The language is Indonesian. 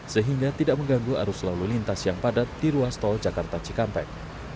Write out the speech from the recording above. sehingga tidak mengganggu arus lalu lintas yang padat di ruas tol jakarta cikampek